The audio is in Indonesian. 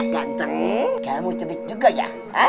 jateng kamu cedek juga ya